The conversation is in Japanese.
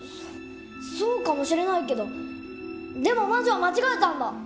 そそうかもしれないけどでも魔女は間違えたんだ！